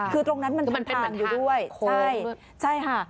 คือตรงนั้นมันทางอยู่ด้วยใช่ค่ะ